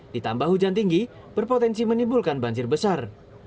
ditambah hujan tinggi berpotensi menimbulkan banjir besar